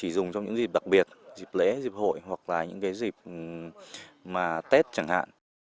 dùng trong những dịp đặc biệt dịp lễ dịp hội hoặc là những cái dịp mà tết chẳng hạn